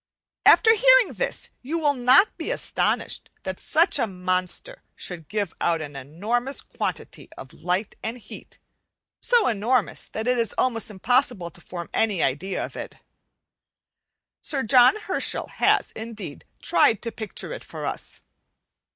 After hearing this you will not be astonished that such a monster should give out an enormous quantity of light and heat; so enormous that it is almost impossible to form any idea of it. Sir John Herschel has, indeed, tried to picture it for us.